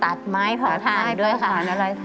ตัดไม้พาขาดด้วยค่ะ